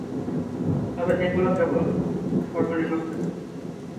তবে এগুলি কেবল সর্বনিম্ন ক্ষয়ক্ষতি।